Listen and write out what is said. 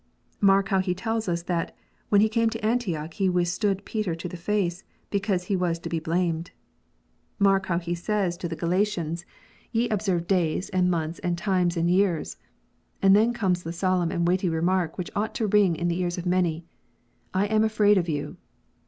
Mark how he tells us that "when he came to Antioch he withstood Peter to the face, because he was to be blamed." Mark how he says to the 22 KNOTS UNTIED. Galatians, "Ye observe days, and months, and times, and years." And then conies the solemn and weighty remark which ought to ring in the ears of many: "I am afraid of you."